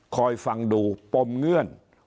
คอยฟังดูปมเงื่อน